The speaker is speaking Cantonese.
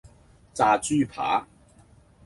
炸豬扒